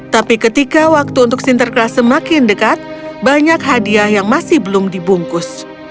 tapi ketika waktu untuk sinterklas semakin dekat banyak hadiah yang masih belum dibungkus